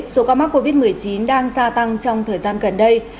số ca mắc covid một mươi chín đang gia tăng trong thời gian gần đây